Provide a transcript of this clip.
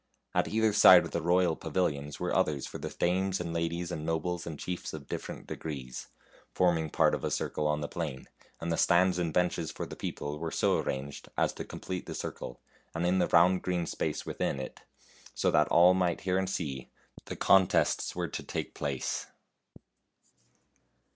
At either side of the royal pavilions were others for the dames and ladies and nobles and chiefs of different degrees, forming part of a circle on the plain, and the stands and benches for the people were so arranged as to complete the circle, and in the round green space within it, so that all might hear and see, the contests were to take place.